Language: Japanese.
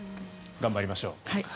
頑張りましょう。